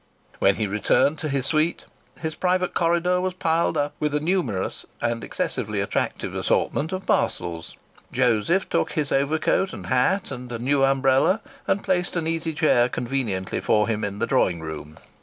When he returned to his suite his private corridor was piled up with a numerous and excessively attractive assortment of parcels. Joseph took his overcoat and hat and a new umbrella and placed an easy chair conveniently for him in the drawing room.